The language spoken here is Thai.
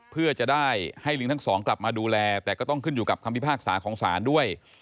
เพื่อจะได้ให้ลิงทั้งสองกลับมาดูแลแต่ก็ต้องขึ้นอยู่กับคำพิพากษาของศาลด้วย